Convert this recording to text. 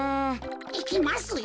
いきますよ。